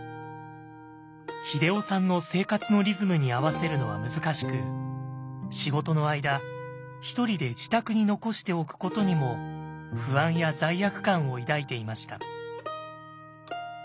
英夫さんの生活のリズムに合わせるのは難しく仕事の間ひとりで自宅に残しておくことにも不安や罪悪感を抱いていました。